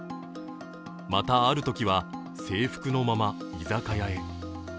また、あるときは制服のまま居酒屋へ。